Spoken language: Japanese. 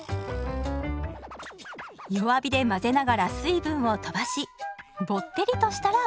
弱火で混ぜながら水分をとばしぼってりとしたらＯＫ！